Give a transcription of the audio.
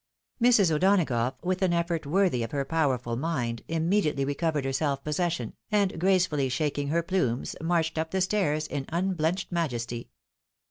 Mrs. O'Donagough, with an efi'ort worthy of her powerful mind, immediately recovered her self possession, and gracefully shaking her plumes, marched up the stairs in imblenched ma jesty.